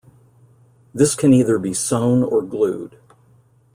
This can either be sewn or glued.